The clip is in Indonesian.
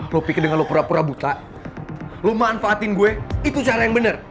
lo pikir dengan lo pura pura buta lo manfaatin gue itu cara yang benar